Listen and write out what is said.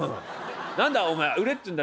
何だお前売れっつうんだ！